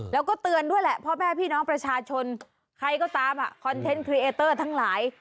แล้วก็เตือนด้วยแหละพ่อแม่พี่น้องประชาชนใครก็ตามอ่ะคอนเทนต์พรีเอเตอร์ทั้งหลาย